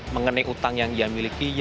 mengenai utang yang ia miliki